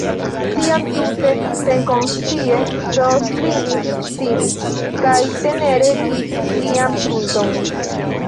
Tiam tute senkonscie Ros klinis sin kaj tenere kisis lian frunton.